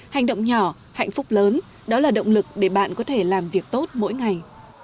hành động nhỏ hạnh phúc lớn đó là động lực để bạn có thể làm việc tốt mỗi ngày